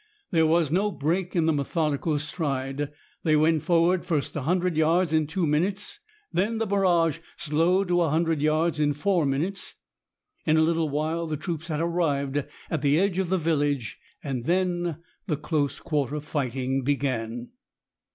There was no break in the methodical stride. They went forward first a hundred yards in two minutes. Then the barrage slowed to a hundred yards in four minutes. In a little while the troops had arrived at the edge of the village; then the close quarter fighting began.